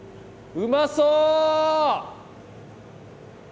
うまそう！